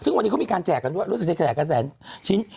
ซึ่งวันนี้เขามีการแจกกันด้วยรู้สึกจะแจกกันแสนชิ้น